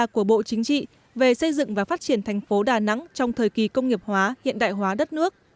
của bộ chính trị về xây dựng và phát triển thành phố đà nẵng trong thời kỳ công nghiệp hóa hiện đại hóa đất nước